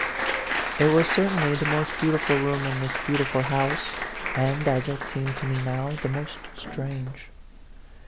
It was certainly the most beautiful room in this beautiful house, and, as it seemed to me now, the most strange.